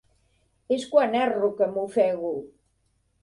És quan erro que m'ofego.